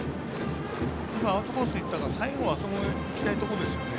アウトコースいったら最後、あそこにいきたいところですよね。